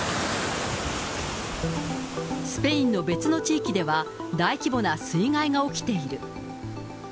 スペインの別の地域では、大規模な水害が起きている。